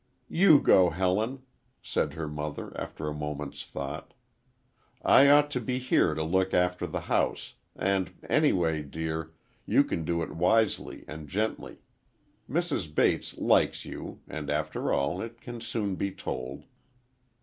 "You go, Helen," said her mother after a moment's thought. "I ought to be here to look after the house, and anyway, dear, you can do it wisely and gently. Mrs. Bates likes you, and after all, it can be soon told."